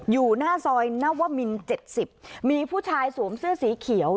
อยู่หน้าซอยนวมิน๗๐มีผู้ชายสวมเสื้อสีเขียว